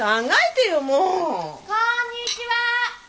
・こんにちは！